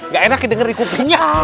nggak enak kedenger ikutinya